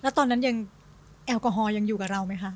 แล้วตอนนั้นยังแอลกอฮอลยังอยู่กับเราไหมคะ